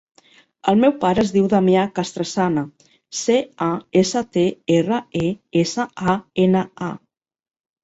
El meu pare es diu Damià Castresana: ce, a, essa, te, erra, e, essa, a, ena, a.